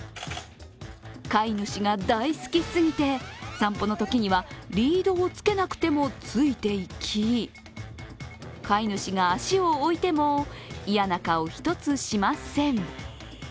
飼い主が大好きすぎて、散歩のときにはリードをつけなくてもついていき、飼い主が足を置いても嫌な顔一つしません。